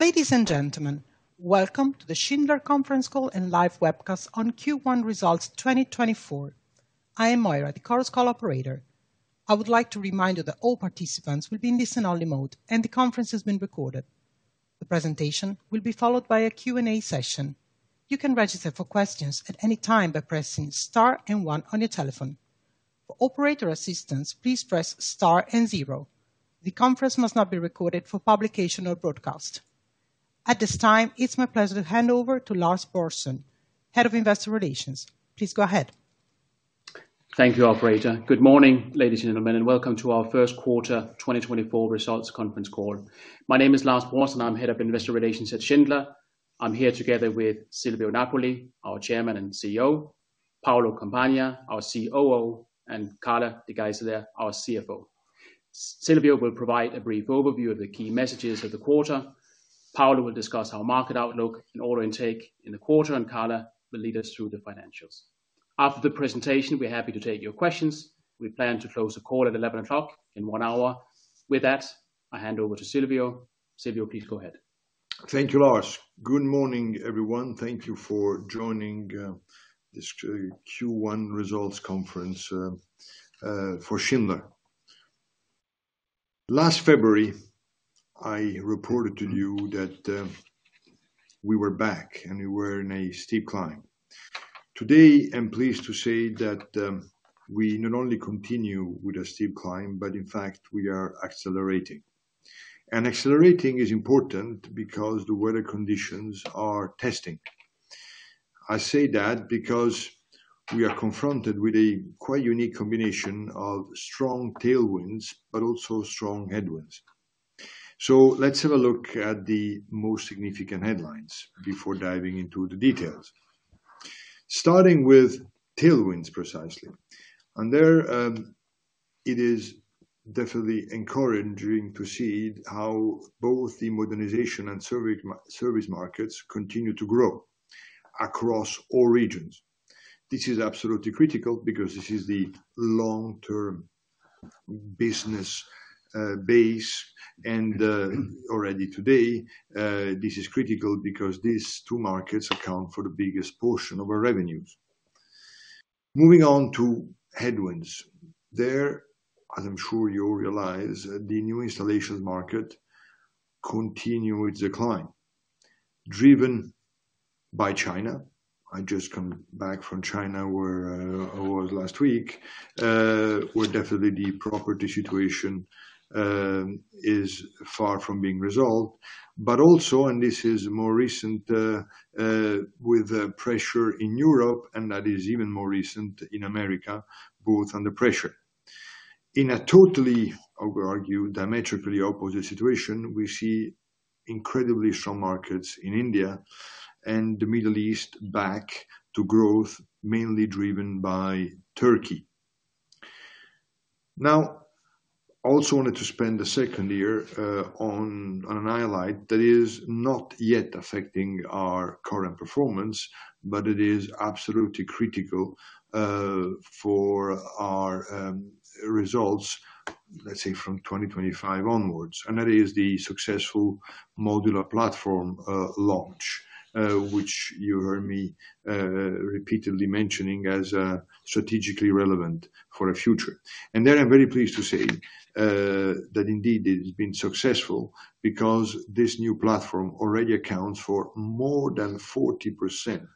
Ladies and gentlemen, welcome to the Schindler Conference Call and Live Webcast on Q1 Results 2024. I am Moira, the Chorus Call Operator. I would like to remind you that all participants will be in listen-only mode, and the conference is being recorded. The presentation will be followed by a Q&A session. You can register for questions at any time by pressing star and one on your telephone. For operator assistance, please press star and zero. The conference must not be recorded for publication or broadcast. At this time, it's my pleasure to hand over to Lars Brorson, Head of Investor Relations. Please go ahead. Thank you, operator. Good morning, ladies and gentlemen, and welcome to our First Quarter 2024 Results Conference Call. My name is Lars Brorson, and I'm Head of Investor Relations at Schindler. I'm here together with Silvio Napoli, our Chairman and CEO, Paolo Compagna, our COO, and Carla De Geyseleer, our CFO. Silvio will provide a brief overview of the key messages of the quarter. Paolo will discuss our market outlook and order intake in the quarter, and Carla will lead us through the financials. After the presentation, we're happy to take your questions. We plan to close the call at 11:30, in one hour. With that, I hand over to Silvio. Silvio, please go ahead. Thank you, Lars. Good morning, everyone. Thank you for joining this Q1 Results Conference for Schindler. Last February, I reported to you that we were back and we were in a steep climb. Today, I'm pleased to say that we not only continue with a steep climb, but in fact, we are accelerating. And accelerating is important because the weather conditions are testing. I say that because we are confronted with a quite unique combination of strong tailwinds, but also strong headwinds. So let's have a look at the most significant headlines before diving into the details. Starting with tailwinds, precisely. And there, it is definitely encouraging to see how both the modernization and service markets continue to grow across all regions. This is absolutely critical because this is the long-term business base, and already today this is critical because these two markets account for the biggest portion of our revenues. Moving on to headwinds. There, as I'm sure you realize, the new installations market continue its decline, driven by China. I just come back from China, where I was last week, where definitely the property situation is far from being resolved, but also, and this is more recent, with the pressure in Europe, and that is even more recent in America, both under pressure. In a totally, I would argue, diametrically opposite situation, we see incredibly strong markets in India and the Middle East back to growth, mainly driven by Turkey. Now, I also wanted to spend a second here, on a highlight that is not yet affecting our current performance, but it is absolutely critical for our results, let's say, from 2025 onwards, and that is the successful modular platform launch, which you heard me repeatedly mentioning as strategically relevant for the future. And there, I'm very pleased to say, that indeed it has been successful because this new platform already accounts for more than 40%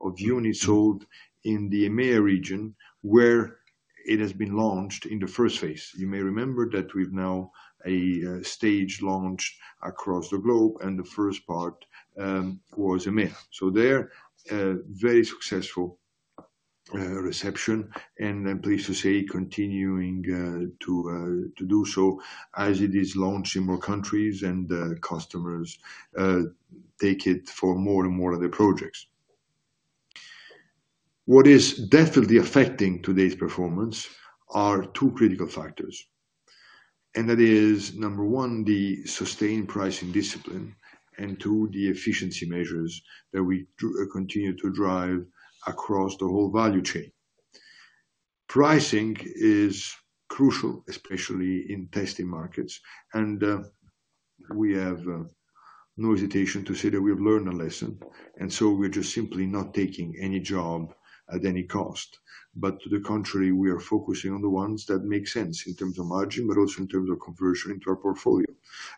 of units sold in the EMEA region, where it has been launched in the first phase. You may remember that we've now a stage launch across the globe, and the first part was EMEA. So there, a very successful reception, and I'm pleased to say, continuing to do so as it is launching more countries and customers take it for more and more of their projects. What is definitely affecting today's performance are two critical factors, and that is, number one, the sustained pricing discipline, and two, the efficiency measures that we continue to drive across the whole value chain. Pricing is crucial, especially in testing markets, and we have no hesitation to say that we have learned a lesson, and so we're just simply not taking any job at any cost. But to the contrary, we are focusing on the ones that make sense in terms of margin, but also in terms of conversion into our portfolio.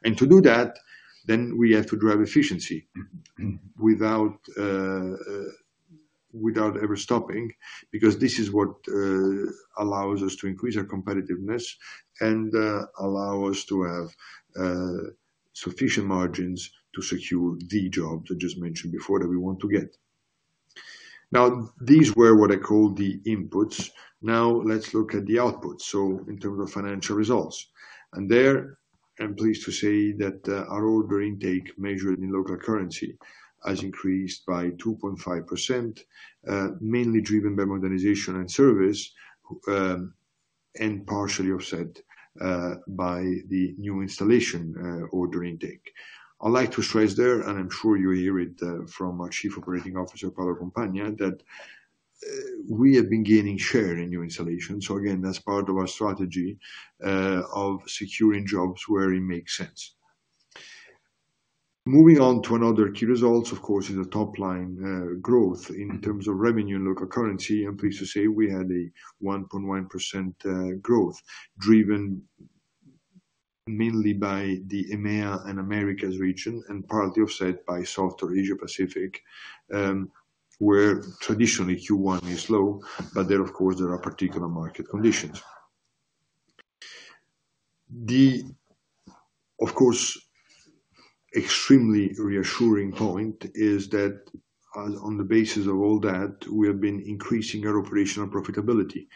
To do that, then we have to drive efficiency without ever stopping, because this is what allows us to increase our competitiveness and allow us to have sufficient margins to secure the job I just mentioned before that we want to get. Now, these were what I call the inputs. Now, let's look at the outputs, so in terms of financial results. There, I'm pleased to say that our order intake, measured in local currency, has increased by 2.5%, mainly driven by modernization and service, and partially offset by the new installation order intake. I'd like to stress there, and I'm sure you'll hear it from our Chief Operating Officer, Paolo Compagna, that we have been gaining share in new installations. So again, that's part of our strategy of securing jobs where it makes sense. Moving on to another key result, of course, is the top line growth. In terms of revenue in local currency, I'm pleased to say we had a 1.1% growth, driven mainly by the EMEA and Americas region, and partly offset by softer Asia Pacific, where traditionally Q1 is low, but there, of course, there are particular market conditions. Of course, the extremely reassuring point is that on the basis of all that, we have been increasing our operational profitability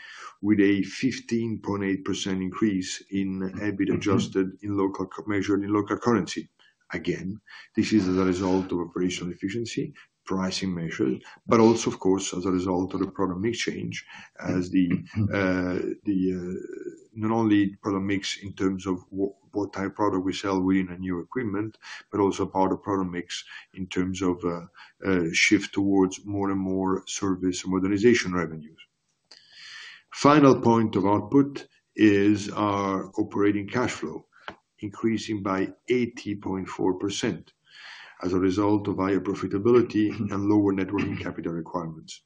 with a 15.8% increase in EBIT adjusted in local currency measured in local currency. Again, this is as a result of operational efficiency, pricing measures, but also, of course, as a result of the product mix change as the not only product mix in terms of what type of product we sell within a new equipment, but also part of product mix in terms of shift towards more and more service and modernization revenues. Final point of output is our operating cash flow, increasing by 80.4% as a result of higher profitability and lower net working capital requirements.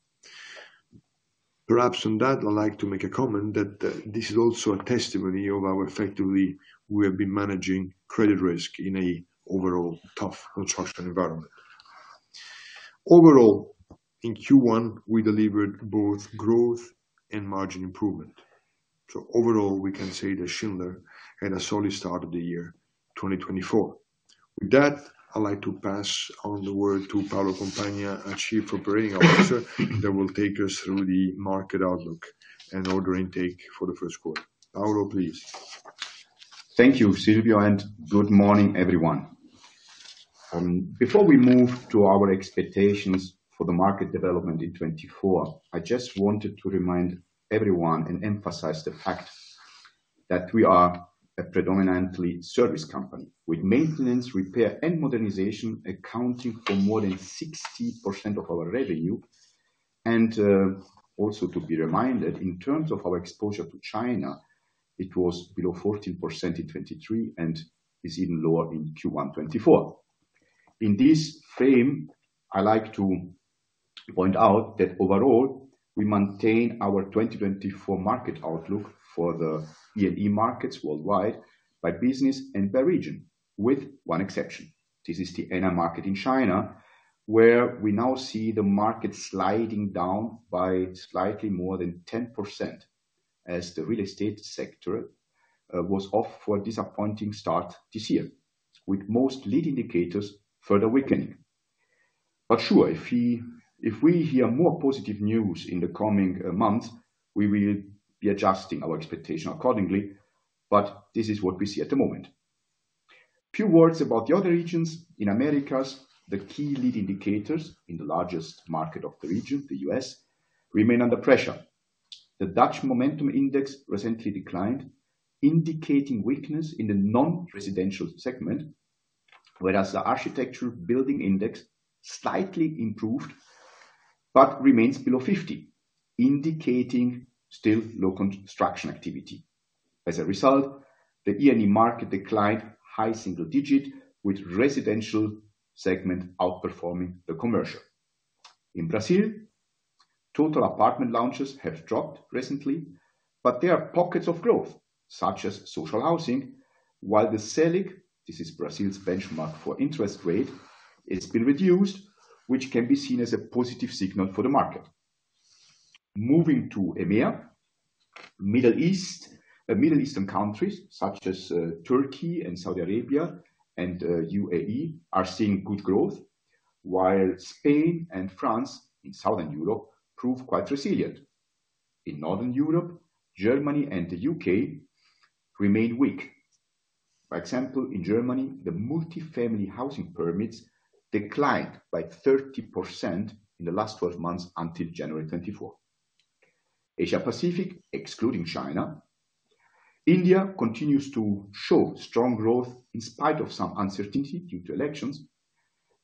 Perhaps on that, I'd like to make a comment that this is also a testimony of how effectively we have been managing credit risk in an overall tough construction environment. Overall, in Q1, we delivered both growth and margin improvement. So overall, we can say that Schindler had a solid start of the year, 2024. With that, I'd like to pass on the word to Paolo Compagna, our Chief Operating Officer, that will take us through the market outlook and order intake for the first quarter. Paolo, please. Thank you, Silvio, and good morning, everyone. Before we move to our expectations for the market development in 2024, I just wanted to remind everyone and emphasize the fact that we are a predominantly service company, with maintenance, repair, and modernization accounting for more than 60% of our revenue. Also to be reminded, in terms of our exposure to China, it was below 14% in 2023, and is even lower in Q1 2024. In this frame, I like to point out that overall, we maintain our 2024 market outlook for the EMEA markets worldwide by business and by region, with one exception. This is the NI market in China, where we now see the market sliding down by slightly more than 10% as the real estate sector was off for a disappointing start this year, with most lead indicators further weakening. But sure, if we, if we hear more positive news in the coming months, we will be adjusting our expectation accordingly, but this is what we see at the moment. Few words about the other regions. In Americas, the key lead indicators in the largest market of the region, the U.S., remain under pressure. The Dodge Momentum Index recently declined, indicating weakness in the non-residential segment, whereas the Architecture Billings Index slightly improved, but remains below 50, indicating still low construction activity. As a result, the EMEA market declined high single digit, with residential segment outperforming the commercial. In Brazil, total apartment launches have dropped recently, but there are pockets of growth, such as social housing, while the Selic, this is Brazil's benchmark for interest rate, it's been reduced, which can be seen as a positive signal for the market. Moving to EMEA, Middle East, Middle Eastern countries such as Turkey and Saudi Arabia and UAE are seeing good growth, while Spain and France in Southern Europe prove quite resilient. In Northern Europe, Germany and the U.K. remain weak. For example, in Germany, the multifamily housing permits declined by 30% in the last 12 months until January 2024. Asia Pacific, excluding China, India continues to show strong growth in spite of some uncertainty due to elections,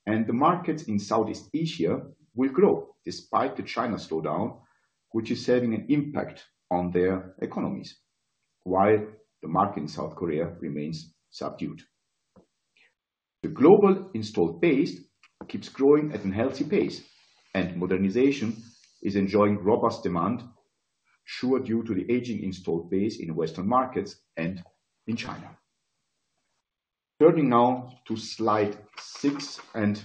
and the markets in Southeast Asia will grow despite the China slowdown, which is having an impact on their economies, while the market in South Korea remains subdued. The global installed base keeps growing at a healthy pace, and modernization is enjoying robust demand, sure, due to the aging installed base in Western markets and in China. Turning now to slide six and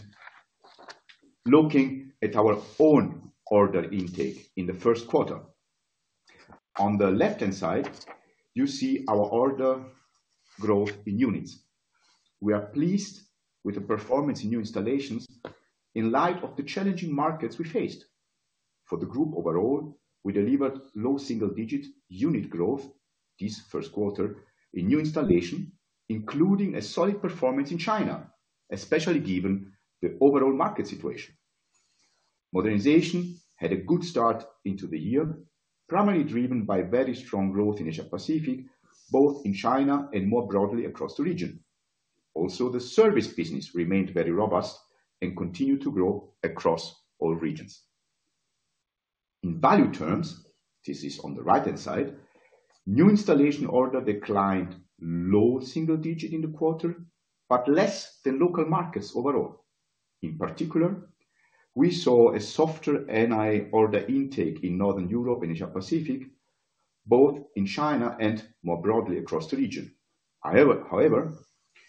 looking at our own order intake in the first quarter. On the left-hand side, you see our order growth in units. We are pleased with the performance in new installations in light of the challenging markets we faced. For the group overall, we delivered low single digit unit growth this first quarter in new installation, including a solid performance in China, especially given the overall market situation. Modernization had a good start into the year, primarily driven by very strong growth in Asia Pacific, both in China and more broadly across the region. Also, the service business remained very robust and continued to grow across all regions. In value terms, this is on the right-hand side, new installation order declined low single digit in the quarter, but less than local markets overall. In particular, we saw a softer NI order intake in Northern Europe and Asia Pacific, both in China and more broadly across the region. However,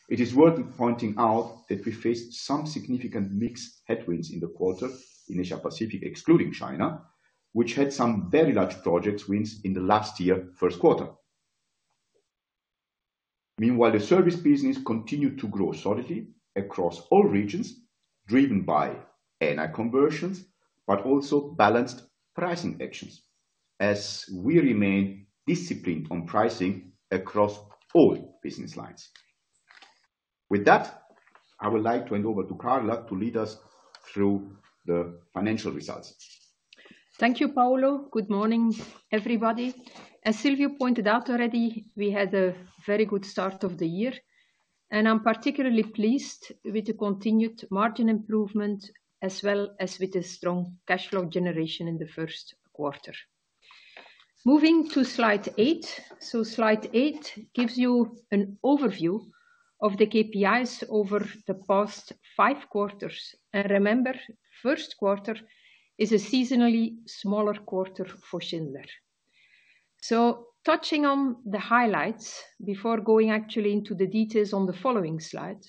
it is worth pointing out that we faced some significant mixed headwinds in the quarter in Asia Pacific, excluding China, which had some very large project wins in the last year, first quarter. Meanwhile, the service business continued to grow solidly across all regions, driven by NI conversions, but also balanced pricing actions, as we remain disciplined on pricing across all business lines. With that, I would like to hand over to Carla to lead us through the financial results. Thank you, Paolo. Good morning, everybody. As Silvio pointed out already, we had a very good start of the year, and I'm particularly pleased with the continued margin improvement, as well as with the strong cash flow generation in the first quarter. Moving to slide eight. So slide eight gives you an overview of the KPIs over the past five quarters. And remember, first quarter is a seasonally smaller quarter for Schindler. So touching on the highlights before going actually into the details on the following slide.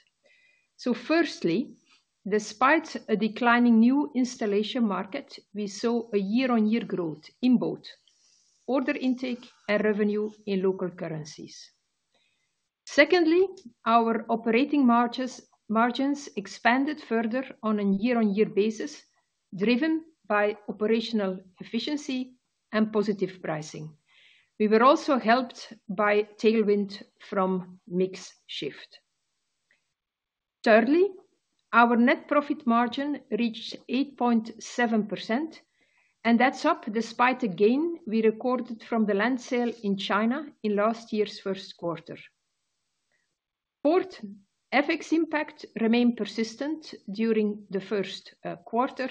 So firstly, despite a declining new installation market, we saw a year-on-year growth in both order intake and revenue in local currencies. Secondly, our operating margins expanded further on a year-on-year basis, driven by operational efficiency and positive pricing. We were also helped by tailwind from mix shift. Thirdly, our net profit margin reached 8.7%, and that's up despite a gain we recorded from the land sale in China in last year's first quarter. Fourth, FX impact remained persistent during the first quarter.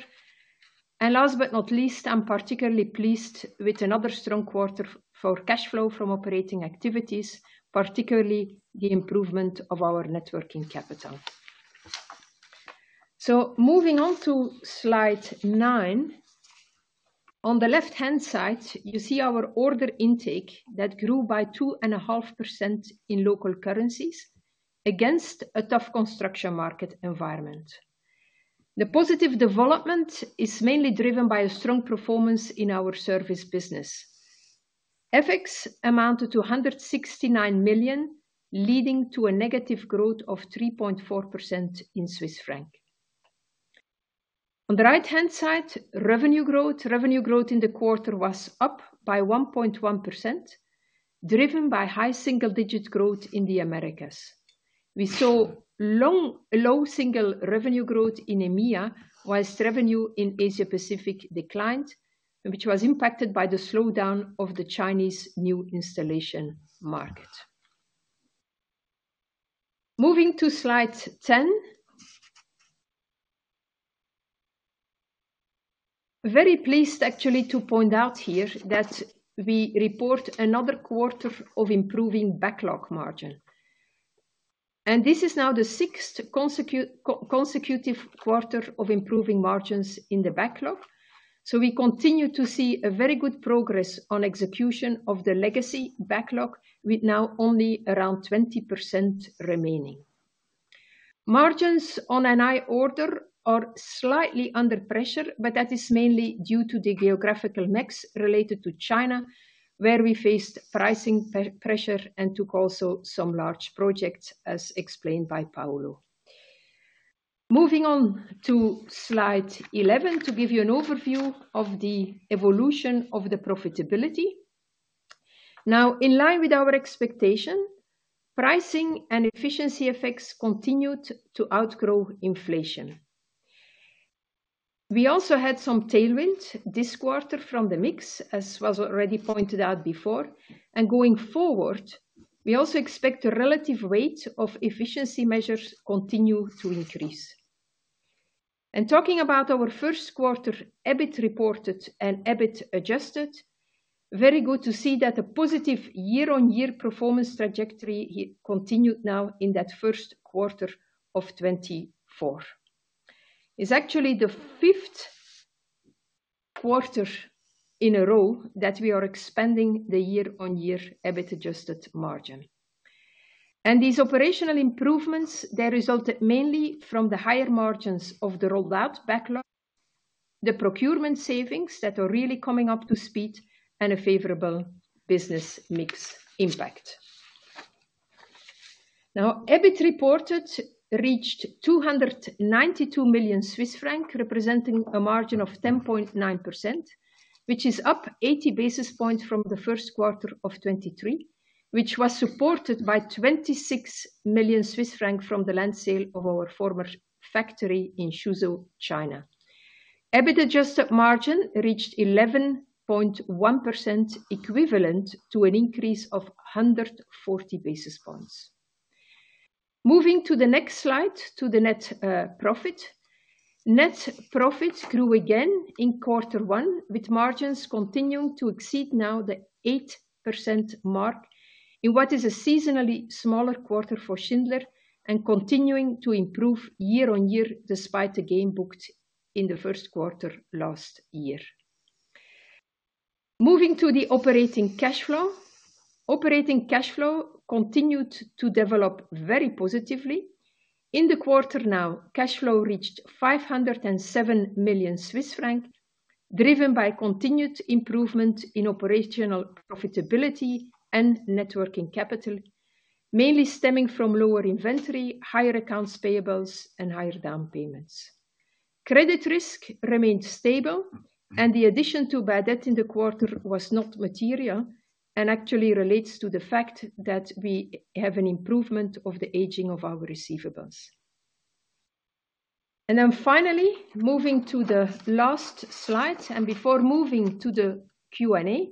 And last but not least, I'm particularly pleased with another strong quarter for cash flow from operating activities, particularly the improvement of our net working capital. So moving on to slide nine. On the left-hand side, you see our order intake that grew by 2.5% in local currencies against a tough construction market environment. The positive development is mainly driven by a strong performance in our service business. FX amounted to 169 million, leading to a negative growth of 3.4% in Swiss francs. On the right-hand side, revenue growth. Revenue growth in the quarter was up by 1.1%, driven by high single-digit growth in the Americas. We saw low single revenue growth in EMEA, while revenue in Asia Pacific declined, which was impacted by the slowdown of the Chinese new installation market. Moving to slide 10. Very pleased actually to point out here that we report another quarter of improving backlog margin. This is now the sixth consecutive quarter of improving margins in the backlog, so we continue to see a very good progress on execution of the legacy backlog, with now only around 20% remaining. Margins on NI order are slightly under pressure, but that is mainly due to the geographical mix related to China, where we faced pricing pressure and took also some large projects, as explained by Paolo. Moving on to slide 11, to give you an overview of the evolution of the profitability. Now, in line with our expectation, pricing and efficiency effects continued to outgrow inflation. We also had some tailwind this quarter from the mix, as was already pointed out before. Going forward, we also expect the relative weight of efficiency measures continue to increase. Talking about our first quarter, EBIT reported and EBIT adjusted, very good to see that a positive year-on-year performance trajectory continued now in that first quarter of 2024. It's actually the fifth quarter in a row that we are expanding the year-on-year EBIT adjusted margin. These operational improvements, they resulted mainly from the higher margins of the rolled out backlog, the procurement savings that are really coming up to speed, and a favorable business mix impact. Now, EBIT reported reached 292 million Swiss francs, representing a margin of 10.9%, which is up 80 basis points from the first quarter of 2023, which was supported by 26 million Swiss francs from the land sale of our former factory in Suzhou, China. EBITDA adjusted margin reached 11.1%, equivalent to an increase of 140 basis points. Moving to the next slide, to the net profit. Net profit grew again in quarter one, with margins continuing to exceed now the 8% mark, in what is a seasonally smaller quarter for Schindler, and continuing to improve year-on-year, despite the gain booked in the first quarter last year. Moving to the operating cash flow. Operating cash flow continued to develop very positively. In the quarter now, cash flow reached 507 million Swiss franc, driven by continued improvement in operational profitability and net working capital, mainly stemming from lower inventory, higher accounts payable, and higher down payments. Credit risk remained stable, and the addition to bad debt in the quarter was not material, and actually relates to the fact that we have an improvement of the aging of our receivables. And then finally, moving to the last slide, and before moving to the Q&A,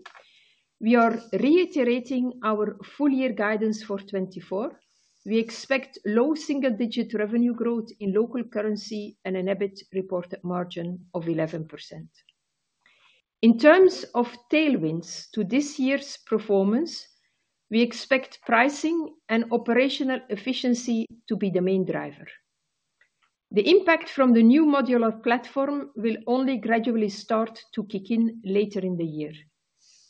we are reiterating our full year guidance for 2024. We expect low single-digit revenue growth in local currency and an EBIT reported margin of 11%. In terms of tailwinds to this year's performance, we expect pricing and operational efficiency to be the main driver. The impact from the new modular platform will only gradually start to kick in later in the year.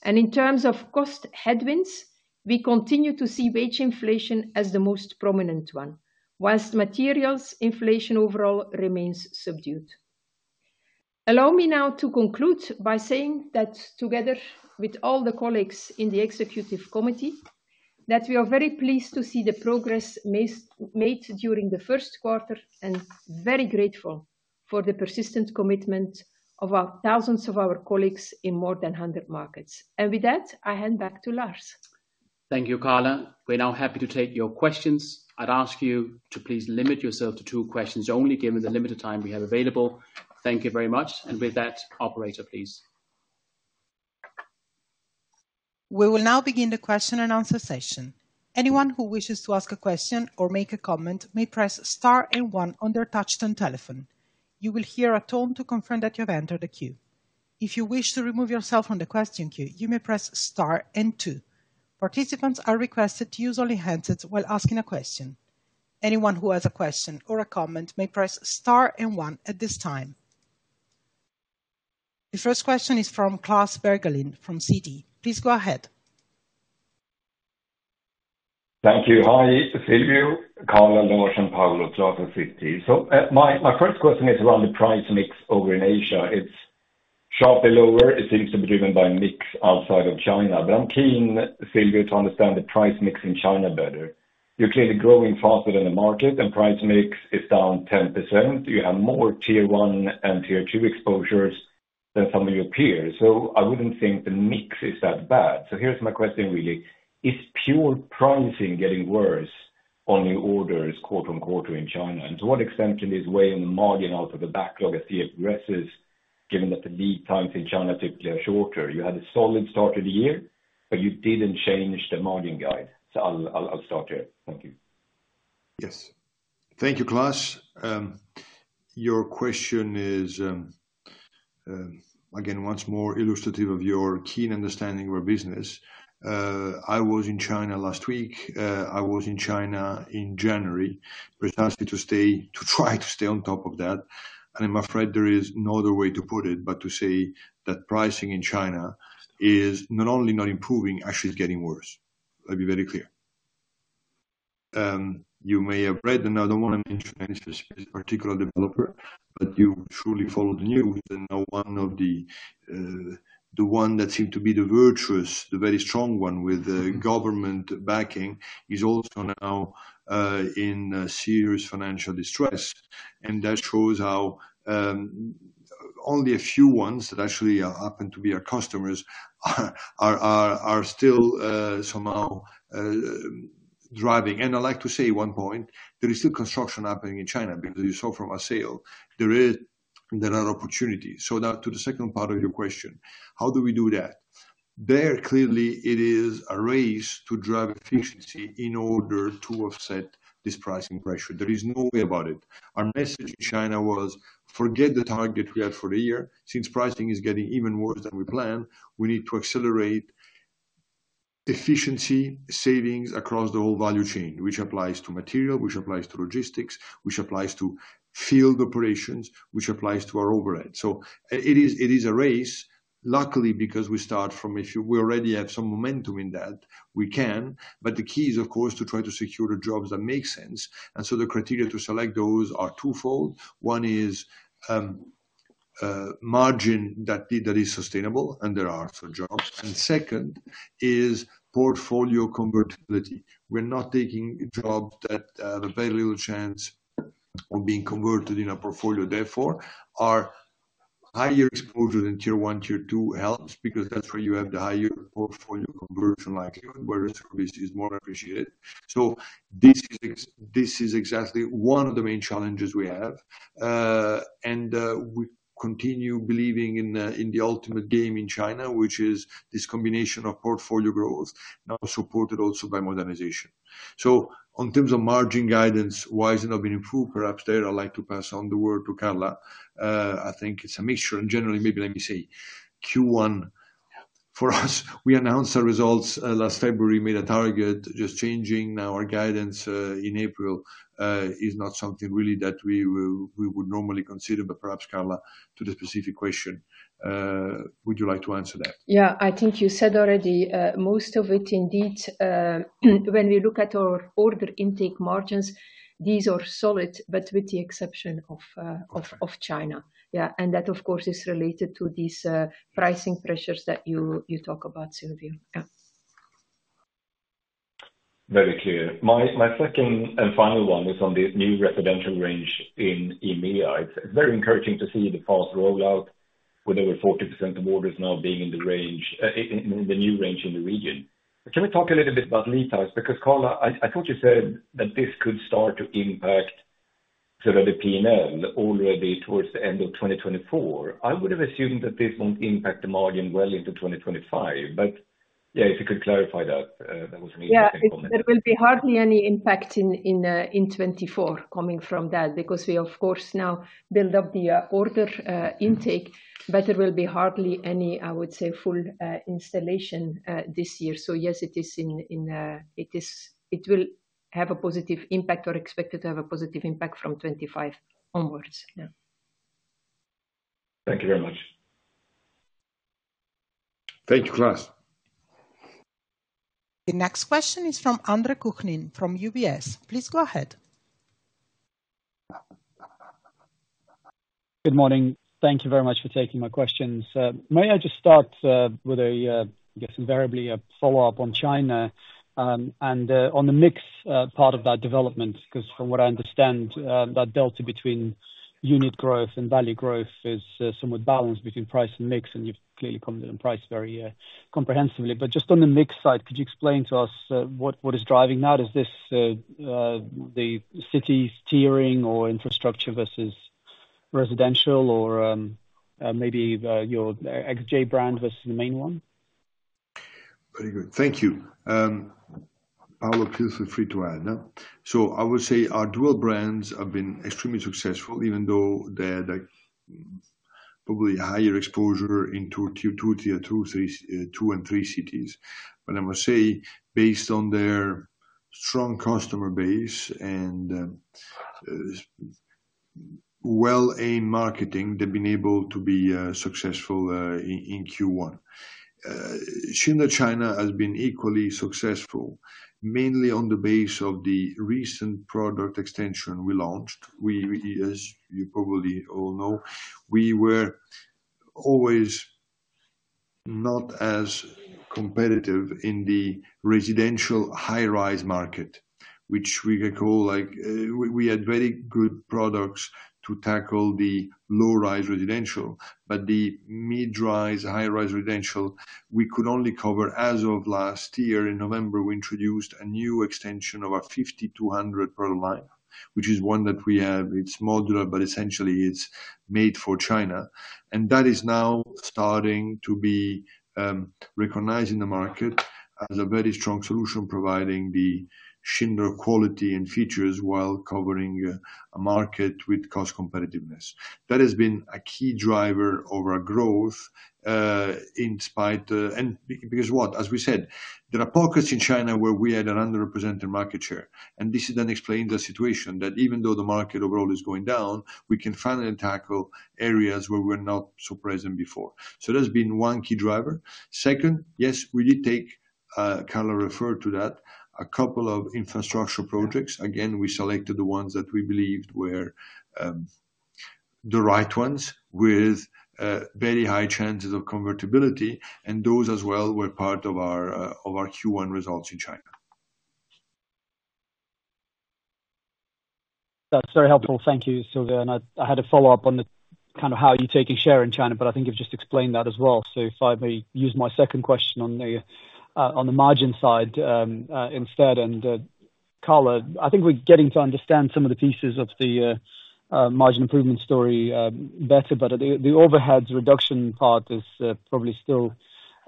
In terms of cost headwinds, we continue to see wage inflation as the most prominent one, while materials inflation overall remains subdued. Allow me now to conclude by saying that together with all the colleagues in the executive committee, that we are very pleased to see the progress made during the first quarter, and very grateful for the persistent commitment of our thousands of colleagues in more than 100 markets. With that, I hand back to Lars. Thank you, Carla. We're now happy to take your questions. I'd ask you to please limit yourself to two questions only, given the limited time we have available. Thank you very much. With that, operator, please. We will now begin the question and answer session. Anyone who wishes to ask a question or make a comment, may press star and one on their touchtone telephone. You will hear a tone to confirm that you have entered the queue. If you wish to remove yourself from the question queue, you may press star and two. Participants are requested to use only handsets while asking a question. Anyone who has a question or a comment may press star and one at this time. The first question is from Klas Bergelind, from Citi. Please go ahead. Thank you. Hi, Silvio, Carla, Lars, Paolo, Klas from Citi. So, my first question is around the price mix over in Asia. It's sharply lower. It seems to be driven by mix outside of China. But I'm keen, Silvio, to understand the price mix in China better. You're clearly growing faster than the market, and price mix is down 10%. You have more Tier One and Tier Two exposures than some of your peers, so I wouldn't think the mix is that bad. So here's my question, really: Is pure pricing getting worse on your orders quarter on quarter in China? And to what extent can this weigh in the margin out of the backlog as he addresses, given that the lead times in China typically are shorter? You had a solid start of the year, but you didn't change the margin guide. I'll start here. Thank you. Yes. Thank you, Klas. Your question is, again, once more illustrative of your keen understanding of our business. I was in China last week. I was in China in January. But it's asking to stay- to try to stay on top of that, and I'm afraid there is no other way to put it, but to say that pricing in China is not only not improving, actually it's getting worse. I'll be very clear. You may have read, and I don't want to mention any specific particular developer, but you truly follow the news and know one of the, the one that seemed to be the virtuous, the very strong one with the government backing, is also now, in serious financial distress. That shows how only a few ones that actually happen to be our customers are still somehow driving. I'd like to say one point, there is still construction happening in China because you saw from our sales, there are opportunities. So now to the second part of your question, how do we do that? There clearly it is a race to drive efficiency in order to offset this pricing pressure. There is no way about it. Our message in China was, "Forget the target we had for the year. Since pricing is getting even worse than we planned, we need to accelerate efficiency savings across the whole value chain," which applies to material, which applies to logistics, which applies to field operations, which applies to our overhead. So it is, it is a race, luckily, because we start from we already have some momentum in that, we can, but the key is, of course, to try to secure the jobs that make sense. So the criteria to select those are twofold. One is margin that is sustainable, and there are for jobs. Second is portfolio convertibility. We're not taking a job that have a very little chance of being converted in a portfolio. Therefore, our higher exposure in tier one, tier two helps, because that's where you have the higher portfolio conversion likelihood, where the service is more appreciated. So this is exactly one of the main challenges we have. And we continue believing in the, in the ultimate game in China, which is this combination of portfolio growth, now supported also by modernization. So on terms of margin guidance, why has it not been improved? Perhaps there, I'd like to pass the word to Carla. I think it's a mixture, and generally, maybe let me say, Q1 for us, we announced our results last February, made a target. Just changing our guidance in April is not something really that we would, we would normally consider, but perhaps, Carla, to the specific question, would you like to answer that? Yeah, I think you said already most of it indeed. When we look at our order intake margins, these are solid, but with the exception of China. Yeah, and that, of course, is related to these pricing pressures that you talk about, Silvio. Yeah. Very clear. My, my second and final one is on the new residential range in, in EMEA. It's very encouraging to see the fast rollout, with over 40% of orders now being in the range, in the new range in the region. Can we talk a little bit about lead times? Because, Carla, I, I thought you said that this could start to impact sort of the P&L already towards the end of 2024. I would have assumed that this won't impact the margin well into 2025, but yeah, if you could clarify that, that was an interesting comment. Yeah, it will be hardly any impact in 2024 coming from that, because we, of course, now build up the order intake, but there will be hardly any, I would say, full installation this year. So yes, it is—it will have a positive impact or expected to have a positive impact from 2025 onwards. Yeah. Thank you very much. Thank you, Klas. The next question is from Andre Kukhnin, from UBS. Please go ahead. Good morning. Thank you very much for taking my questions. May I just start with a, I guess, invariably a follow-up on China, and on the mix part of that development, because from what I understand, that delta between unit growth and value growth is somewhat balanced between price and mix, and you've clearly commented on price very comprehensively. But just on the mix side, could you explain to us what is driving that? Is this the city steering or infrastructure versus residential or maybe the your XJ brand versus the main one? Very good. Thank you. Paolo, feel free to add? So I would say our dual brands have been extremely successful, even though they had, like, probably a higher exposure into Tier two, Tier three, two and three cities. But I must say, based on their strong customer base and well-aimed marketing, they've been able to be successful in Q1. Schindler China has been equally successful, mainly on the base of the recent product extension we launched. We, as you probably all know, we were always not as competitive in the residential high-rise market, which we could call, like, we had very good products to tackle the low-rise residential, but the mid-rise, high-rise residential, we could only cover as of last year. In November, we introduced a new extension of our 5200 product line, which is one that we have. It's modular, but essentially it's made for China. And that is now starting to be recognized in the market as a very strong solution, providing the Schindler quality and features while covering a market with cost competitiveness. That has been a key driver of our growth in spite and because, as we said, there are pockets in China where we had an underrepresented market share, and this is an explained situation, that even though the market overall is going down, we can finally tackle areas where we're not so present before. So that's been one key driver. Second, yes, we did take, Carla referred to that, a couple of infrastructure projects. Again, we selected the ones that we believed were the right ones with very high chances of convertibility, and those as well were part of our Q1 results in China. That's very helpful. Thank you, Silvio. And I had a follow-up on the kind of how you're taking share in China, but I think you've just explained that as well. So if I may use my second question on the margin side, instead, and, Carla, I think we're getting to understand some of the pieces of the margin improvement story, better, but the overheads reduction part is probably still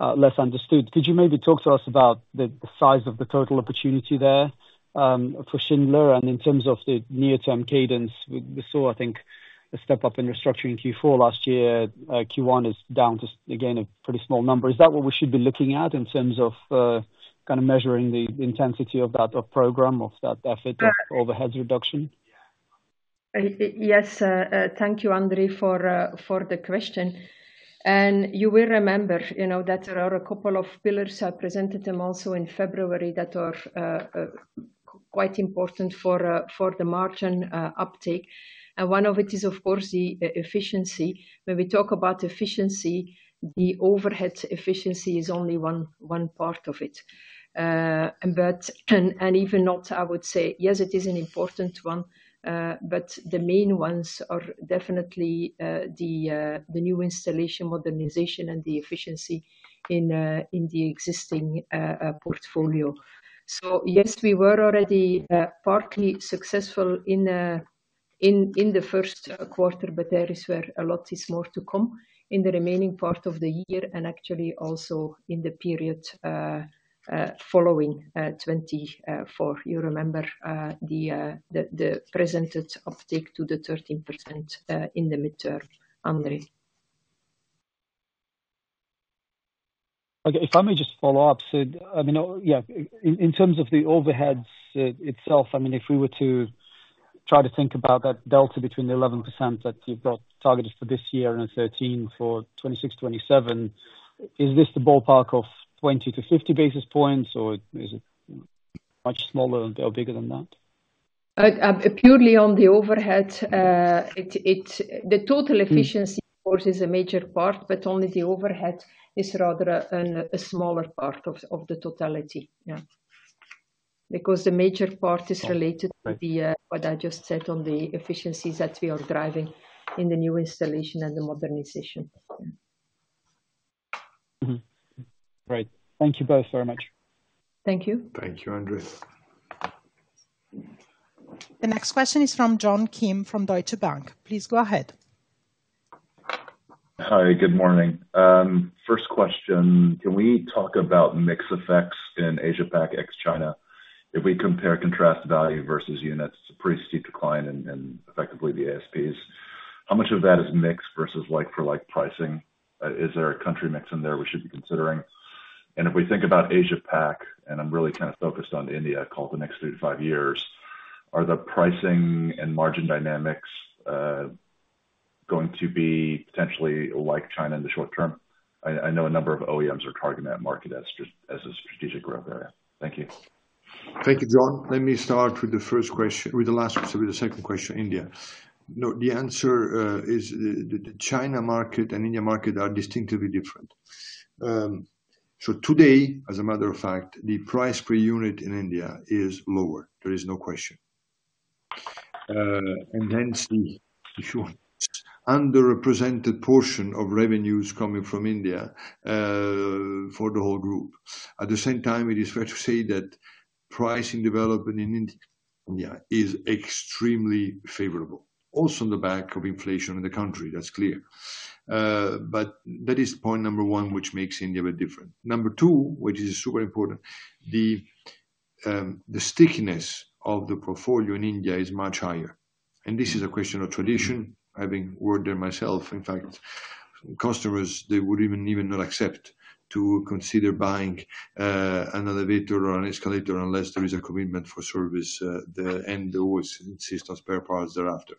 less understood. Could you maybe talk to us about the size of the total opportunity there, for Schindler, and in terms of the near-term cadence, we saw, I think, a step up in restructuring Q4 last year. Q1 is down to, again, a pretty small number. Is that what we should be looking at in terms of kind of measuring the intensity of that program, of that effort? Yeah... of overheads reduction? Yes, thank you, Andre, for the question. And you will remember, you know, that there are a couple of pillars, I presented them also in February, that are quite important for the margin uptake. And one of it is, of course, the efficiency. When we talk about efficiency, the overhead efficiency is only one part of it. But, and, and even not, I would say, yes, it is an important one. But the main ones are definitely the new installation, modernization, and the efficiency in the existing portfolio. So yes, we were already partly successful in the first quarter, but there is where a lot is more to come in the remaining part of the year, and actually also in the period following 2024. You remember the presented uptick to the 13% in the midterm, Andre? Okay, if I may just follow up. So I mean, yeah, in, in terms of the overheads, itself, I mean, if we were to try to think about that delta between the 11% that you've got targeted for this year and 13% for 2026, 2027, is this the ballpark of 20-50 basis points, or is it much smaller or bigger than that? Purely on the overhead, the total efficiency, of course, is a major part, but only the overhead is rather a smaller part of the totality. Yeah. Because the major part is related to what I just said on the efficiencies that we are driving in the new installation and the modernization. Mm-hmm. Great. Thank you both very much. Thank you. Thank you, Andre. The next question is from John Kim from Deutsche Bank. Please go ahead. Hi, good morning. First question, can we talk about mix effects in Asia Pac, ex-China? If we compare contrast value versus units, it's a pretty steep decline in effectively the ASPs. How much of that is mix versus, like-for-like pricing? Is there a country mix in there we should be considering? And if we think about Asia Pac, and I'm really kind of focused on India, called the next 35 years, are the pricing and margin dynamics going to be potentially like China in the short term? I know a number of OEMs are targeting that market as a strategic growth area. Thank you. Thank you, John. Let me start with the first question, with the last question, with the second question, India. No, the answer is the China market and India market are distinctly different. So today, as a matter of fact, the price per unit in India is lower. There is no question. And hence, the issue, underrepresented portion of revenues coming from India, for the whole group. At the same time, it is fair to say that pricing development in India is extremely favorable. Also, on the back of inflation in the country, that's clear. But that is point number one, which makes India a bit different. Number two, which is super important, the stickiness of the portfolio in India is much higher, and this is a question of tradition. I've been worked there myself. In fact, customers, they would even, even not accept to consider buying, an elevator or an escalator unless there is a commitment for service, the end-to-end system spare parts thereafter.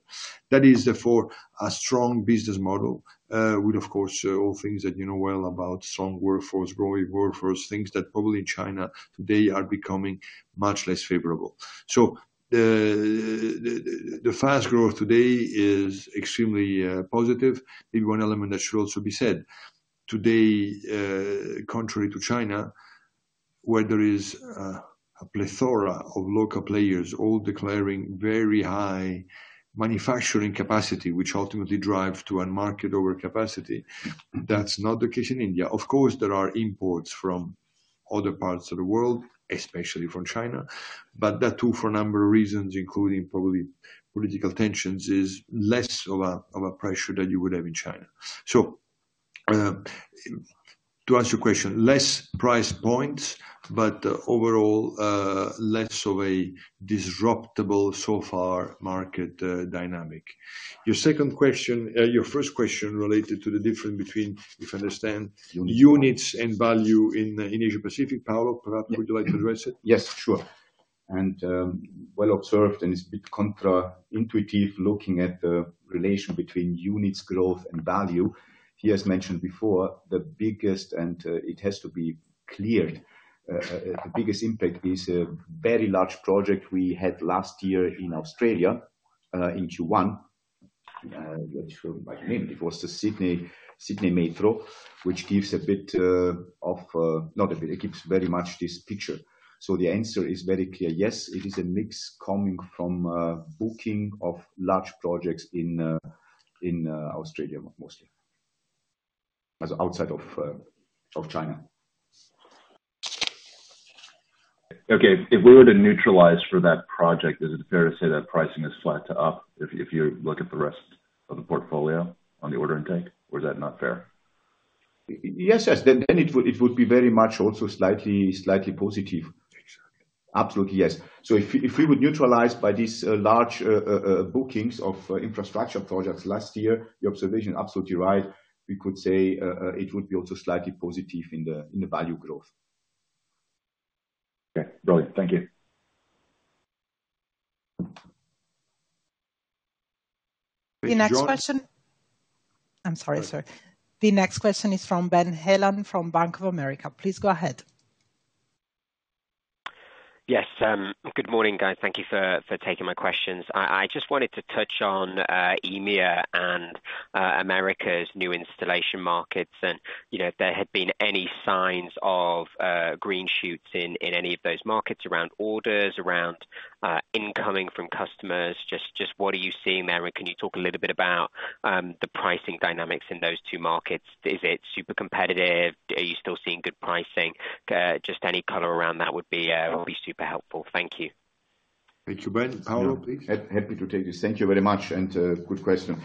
That is, therefore, a strong business model, with, of course, all things that you know well about strong workforce, growing workforce, things that probably China, they are becoming much less favorable. So the fast growth today is extremely, positive. Maybe one element that should also be said, today, contrary to China, where there is, a plethora of local players, all declaring very high manufacturing capacity, which ultimately drive to a market over capacity. That's not the case in India. Of course, there are imports from other parts of the world, especially from China, but that too, for a number of reasons, including probably political tensions, is less of a pressure than you would have in China. So, to answer your question, less price points, but overall, less of a disruptive, so far, market dynamic. Your second question, your first question related to the difference between, if I understand, units and value in, in Asia Pacific. Paolo, perhaps, would you like to address it? Yes, sure. And, well observed, and it's a bit counterintuitive, looking at the relation between units, growth, and value. He has mentioned before, the biggest, and, it has to be clear, the biggest impact is a very large project we had last year in Australia, in Q1. Which by the name, it was the Sydney Metro, which gives a bit, of, not a bit, it gives very much this picture. So the answer is very clear. Yes, it is a mix coming from, booking of large projects in, in, Australia, mostly. As outside of, of China. Okay. If we were to neutralize for that project, is it fair to say that pricing is flat to up, if you look at the rest of the portfolio on the order intake, or is that not fair? Yes. Then it would be very much also slightly positive. Exactly. Absolutely, yes. So if we would neutralize by these large bookings of infrastructure projects last year, your observation absolutely right, we could say it would be also slightly positive in the value growth. Okay, got it. Thank you. The next question. I'm sorry, sir. The next question is from Ben Heelan, from Bank of America. Please go ahead. Yes, good morning, guys. Thank you for taking my questions. I just wanted to touch on EMEA and America's new installation markets, and you know, if there had been any signs of green shoots in any of those markets around orders, around incoming from customers. Just what are you seeing there? And can you talk a little bit about the pricing dynamics in those two markets? Is it super competitive? Are you still seeing good pricing? Just any color around that would be super helpful. Thank you. Thank you, Ben. Paolo, please. Happy to take this. Thank you very much, and, good question.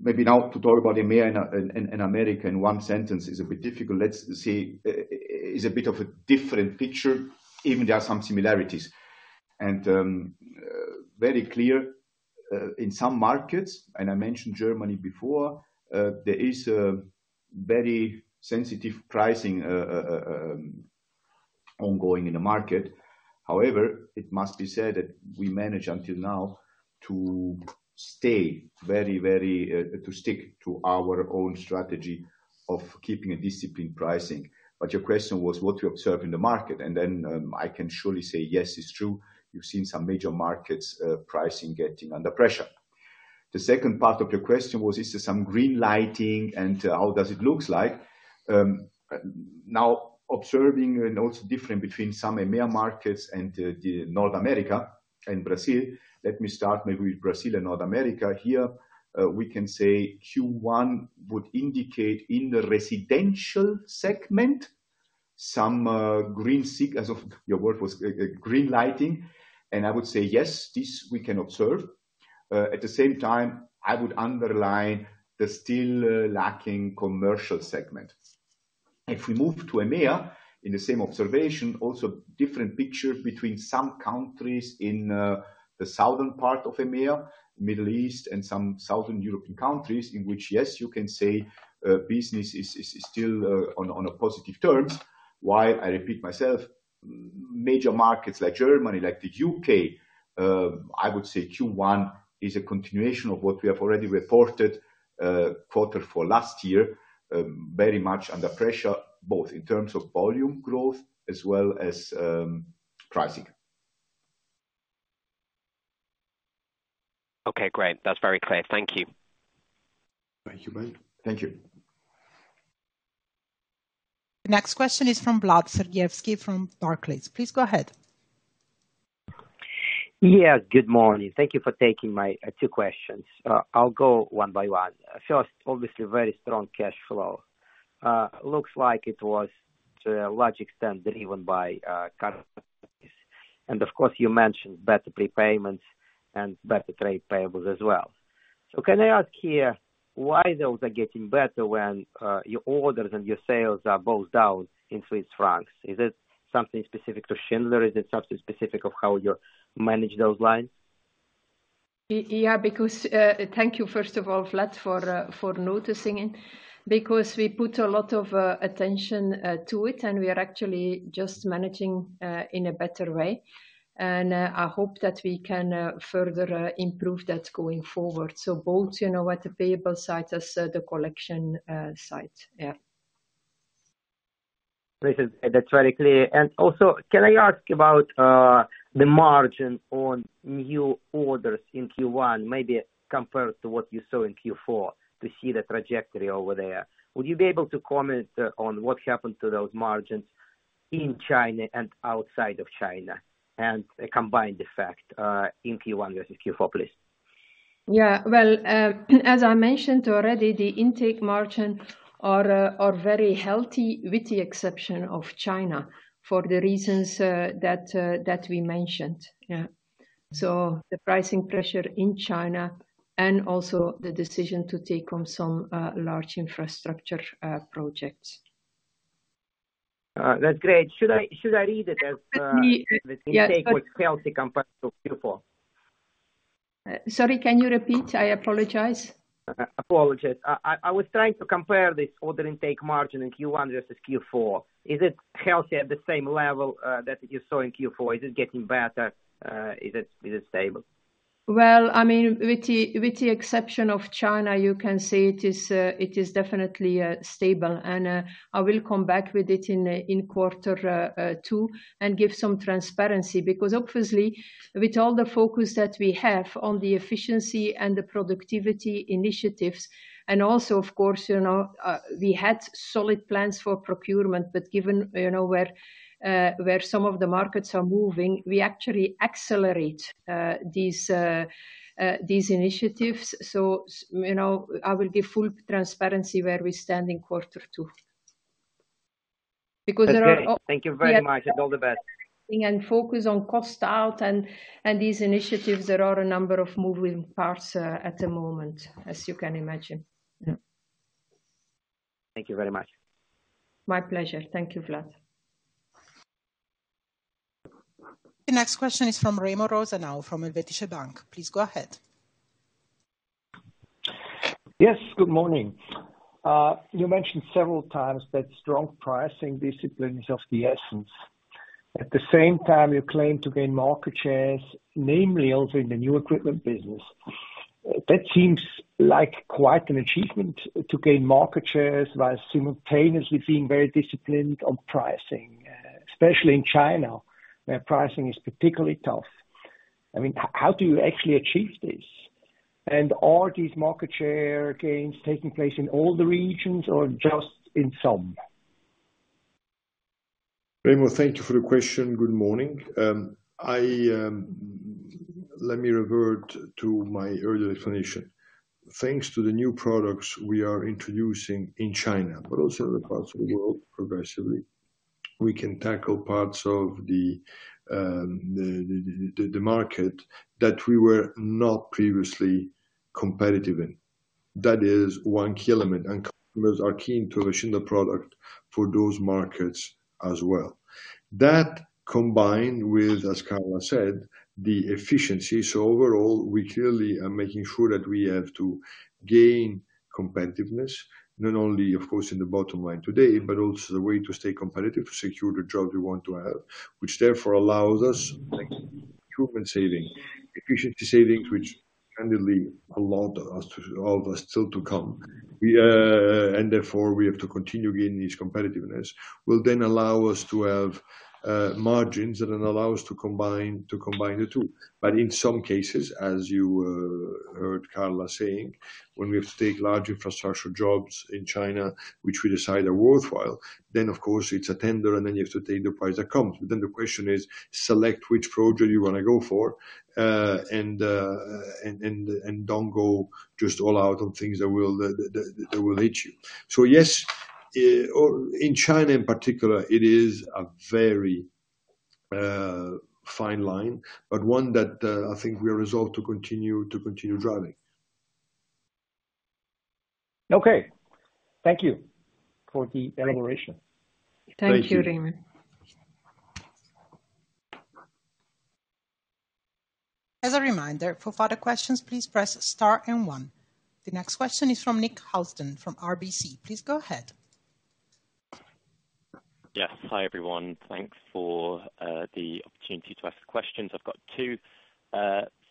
Maybe now to talk about EMEA and America in one sentence is a bit difficult. Let's say, it's a bit of a different picture, even there are some similarities. Very clear, in some markets, and I mentioned Germany before, there is a very sensitive pricing ongoing in the market. However, it must be said that we managed until now to stay very, very, to stick to our own strategy of keeping a disciplined pricing. But your question was what we observe in the market, and then, I can surely say yes, it's true. We've seen some major markets, pricing getting under pressure. The second part of your question was, is there some green lighting, and, how does it looks like? Now observing and also different between some EMEA markets and the North America and Brazil, let me start maybe with Brazil and North America here. We can say Q1 would indicate in the residential segment some green shoots, as of your word, was green shoots. And I would say yes, this we can observe. At the same time, I would underline the still lacking commercial segment. If we move to EMEA, in the same observation, also different picture between some countries in the southern part of EMEA, Middle East, and some southern European countries, in which, yes, you can say business is still on positive terms. While I repeat myself, major markets like Germany, like the U.K., I would say Q1 is a continuation of what we have already reported, quarter for last year, very much under pressure, both in terms of volume growth as well as, pricing. Okay, great. That's very clear. Thank you. Thank you, Ben. Thank you. The next question is from Vlad Sergievskiy from Barclays. Please go ahead. Yeah, good morning. Thank you for taking my two questions. I'll go one by one. First, obviously, very strong cash flow. Looks like it was to a large extent driven by, and of course, you mentioned better prepayments and better trade payables as well. So can I ask here, why those are getting better when your orders and your sales are both down in Swiss francs? Is it something specific to Schindler? Is it something specific of how you manage those lines? Yeah, because... Thank you, first of all, Vlad, for noticing it. Because we put a lot of attention to it, and we are actually just managing in a better way. And I hope that we can further improve that going forward. So both, you know, at the payable side as the collection side. Yeah. This is -- that's very clear. And also, can I ask about the margin on new orders in Q1, maybe compared to what you saw in Q4, to see the trajectory over there? Would you be able to comment on what happened to those margins in China and outside of China, and combine the fact in Q1 versus Q4, please? Yeah, well, as I mentioned already, the intake margin are very healthy, with the exception of China, for the reasons that we mentioned. Yeah. So the pricing pressure in China and also the decision to take on some large infrastructure projects. That's great. Should I, should I read it as, Let me, yeah. Healthy compared to Q4? Sorry, can you repeat? I apologize. Apologies. I was trying to compare the order intake margin in Q1 versus Q4. Is it healthy at the same level that you saw in Q4? Is it getting better? Is it stable? Well, I mean, with the exception of China, you can say it is definitely stable. And I will come back with it in quarter two and give some transparency. Because obviously, with all the focus that we have on the efficiency and the productivity initiatives, and also, of course, you know, we had solid plans for procurement, but given, you know, where some of the markets are moving, we actually accelerate these initiatives. So, you know, I will give full transparency where we stand in quarter two. Because there are- That's great. Thank you very much, and all the best. Focus on cost out and, and these initiatives, there are a number of moving parts, at the moment, as you can imagine. Yeah. Thank you very much. My pleasure. Thank you, Vlad. The next question is from Remo Rosenau, from Helvetische Bank. Please go ahead. Yes, good morning. You mentioned several times that strong pricing discipline is of the essence. At the same time, you claim to gain market shares, namely also in the new equipment business.... That seems like quite an achievement, to gain market shares while simultaneously being very disciplined on pricing, especially in China, where pricing is particularly tough. I mean, how do you actually achieve this? And are these market share gains taking place in all the regions or just in some? Remo, thank you for the question. Good morning. Let me revert to my earlier explanation. Thanks to the new products we are introducing in China, but also other parts of the world progressively, we can tackle parts of the market that we were not previously competitive in. That is one key element, and customers are key to a similar product for those markets as well. That, combined with, as Carla said, the efficiency. So overall, we clearly are making sure that we have to gain competitiveness, not only, of course, in the bottom line today, but also the way to stay competitive, secure the job we want to have, which therefore allows us improvement saving, efficiency savings, which candidly a lot of us still to come. Therefore, we have to continue gaining this competitiveness that will then allow us to have margins that then allow us to combine the two. But in some cases, as you heard Carla saying, when we have to take large infrastructure jobs in China, which we decide are worthwhile, then, of course, it's a tender, and then you have to take the price that comes. Then the question is: select which project you want to go for and don't go just all out on things that will hit you. So yes, or in China, in particular, it is a very fine line, but one that I think we are resolved to continue driving. Okay. Thank you for the elaboration. Thank you, Remo. Thank you. As a reminder, for further questions, please press star and one. The next question is from Nick Housden, from RBC. Please go ahead. Yes. Hi, everyone. Thanks for the opportunity to ask questions. I've got two.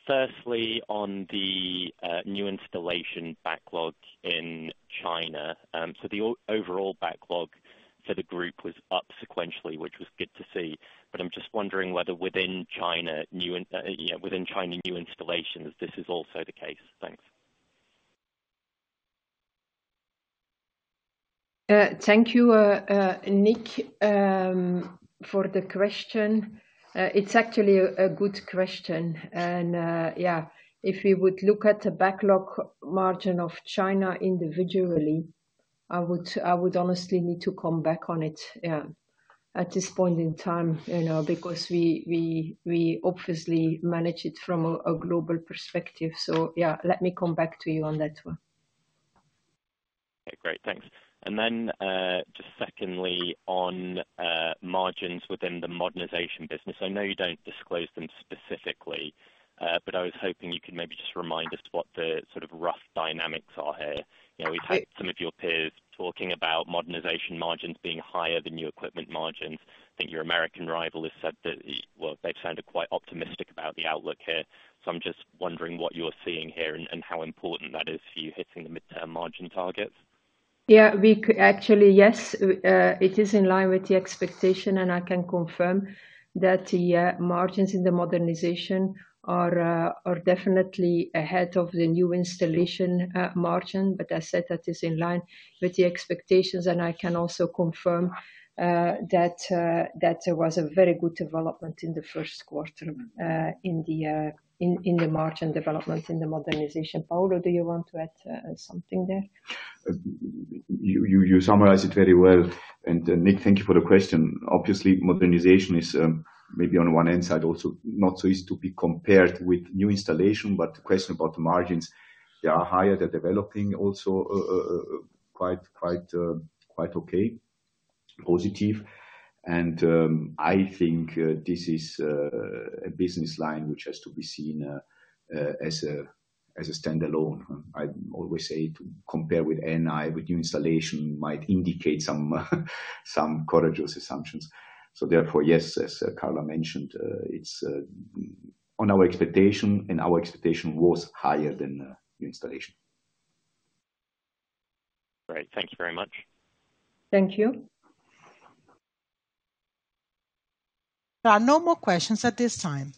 Firstly, on the new installation backlog in China. So the overall backlog for the group was up sequentially, which was good to see. But I'm just wondering whether within China new installations, this is also the case. Thanks. Thank you, Nick, for the question. It's actually a good question, and, yeah, if we would look at the backlog margin of China individually, I would honestly need to come back on it, yeah, at this point in time, you know, because we obviously manage it from a global perspective. So, yeah, let me come back to you on that one. Okay, great. Thanks. And then, just secondly, on margins within the modernization business. I know you don't disclose them specifically, but I was hoping you could maybe just remind us what the sort of rough dynamics are here? Okay. You know, we've had some of your peers talking about modernization margins being higher than new equipment margins. I think your American rival has said that, well, they've sounded quite optimistic about the outlook here. So I'm just wondering what you're seeing here and, and how important that is for you hitting the mid-term margin targets. Yeah, actually, yes, it is in line with the expectation, and I can confirm that the margins in the modernization are definitely ahead of the new installation margin. But I said that is in line with the expectations, and I can also confirm that there was a very good development in the first quarter in the margin development in the modernization. Paolo, do you want to add something there? You summarized it very well. And, Nick, thank you for the question. Obviously, modernization is, maybe on one hand side, also not so easy to be compared with new installation, but the question about the margins, they are higher. They're developing also, quite okay, positive. And, I think, this is a business line which has to be seen as a standalone. I always say to compare with NI, with new installation, might indicate some courageous assumptions. So therefore, yes, as Carla mentioned, it's on our expectation, and our expectation was higher than the installation. Great. Thank you very much. Thank you. There are no more questions at this time.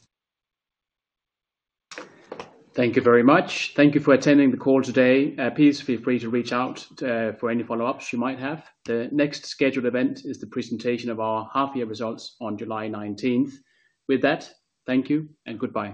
Thank you very much. Thank you for attending the call today. Please feel free to reach out for any follow-ups you might have. The next scheduled event is the presentation of our half-year results on July 19th. With that, thank you and goodbye.